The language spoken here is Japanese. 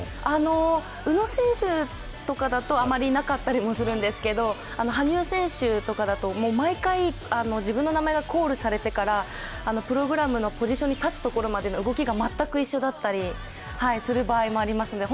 宇野選手とかだと、あまりなかったりするんですけど羽生選手とかだと、毎回、自分の名前がコールされてからプログラムのポジションに立つまでの動きが全く一緒だったりする場合もあります。